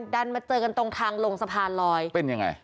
ดันมาเจอกันตรงทางลงสะพานลอยเป็นยังไง